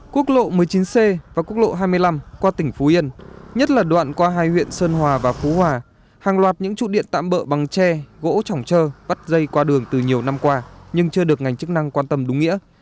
quốc lộ một mươi chín c và quốc lộ hai mươi năm qua tỉnh phú yên nhất là đoạn qua hai huyện sơn hòa và phú hòa hàng loạt những trụ điện tạm bỡ bằng tre gỗ trỏng trơ bắt dây qua đường từ nhiều năm qua nhưng chưa được ngành chức năng quan tâm đúng nghĩa